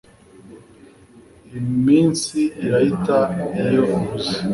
Iminsi irahita iyo uhuze